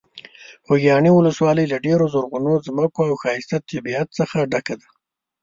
خوږیاڼي ولسوالۍ له ډېرو زرغونو ځمکو او ښایسته طبیعت څخه ډکه ده.